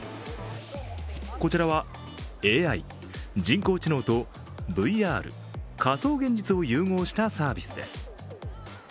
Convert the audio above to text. こちらはＡＩ＝人工知能とＶＲ＝仮想現実を融合したサービスです。